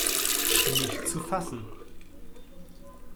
Nicht zu fassen!